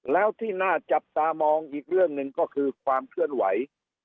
แล้วที่น่าจับตามองอีกเรื่องหนึ่งก็คือความเคลื่อนไหว